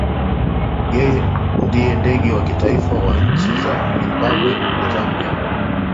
Yeye ndiye ndege wa kitaifa wa nchi za Zimbabwe na Zambia.